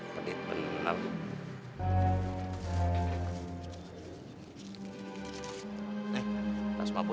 pedih bener bu